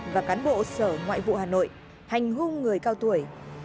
và cán bộ sở ngoại vụ hà nội hành hung người cao tuổi